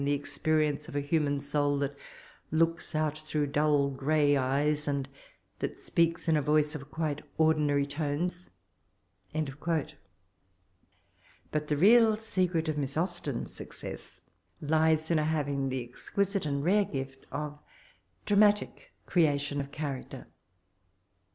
the experience of a human soul that looks out through dull grey eyes, and that speaks in a voice of quite ordinary tonea'' But the real secret of Miss Austen's success lies in her having the exqui site and rare gift of dramatic creation of character.